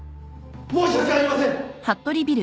申し訳ありません。